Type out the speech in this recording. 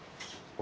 あ！